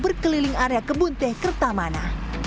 berkeliling area kebun teh kertamana